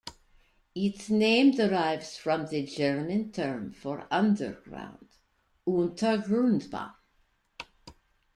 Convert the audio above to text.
Its name derives from the German term for underground, Untergrundbahn.